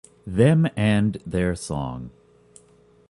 Them and their song!